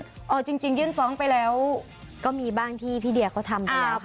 เอาจริงยื่นฟ้องไปแล้วก็มีบ้างที่พี่เดียเขาทำไปแล้ว